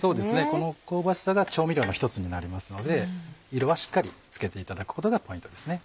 この香ばしさが調味料の１つになりますので色はしっかりつけていただくことがポイントです。